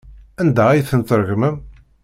Anda ay tent-tregmem?